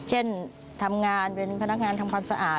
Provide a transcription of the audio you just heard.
เช่นทำงานเป็นพนักงานทำความสะอาด